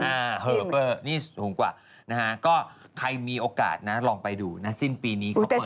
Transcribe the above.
เออเปอร์นี่สูงกว่านะฮะก็ใครมีโอกาสนะลองไปดูนะสิ้นปีนี้เขาเปิด